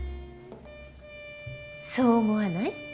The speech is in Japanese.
そう思わない？